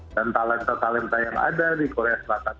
dan talenta talenta yang ada di korea selatan